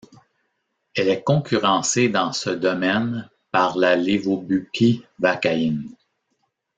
Elle est concurrencée dans ce domaine par la lévobupivacaïne.